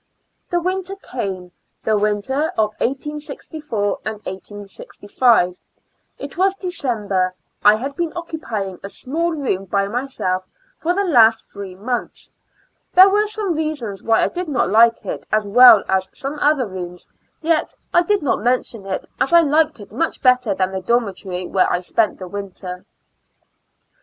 The winter came, the winter of 18 64 and 1865, it was December, I had been occupy ing a small room by mj^self for the last three months, there were some reasons why I did not like it as well as some other rooms, yet I did not mention it as I liked it much better than the dormitory where I spent the winter.